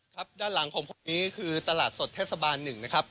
ครับด้านหลังของผมนี้คือตลาดสดเทศบาล๑นะครับ